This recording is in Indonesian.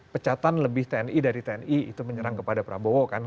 pecatan lebih tni dari tni itu menyerang kepada prabowo kan